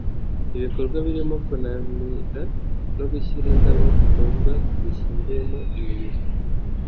ibikorwa birimo kunamira no gushyira indabo ku mva zishyinguyemo imibiri.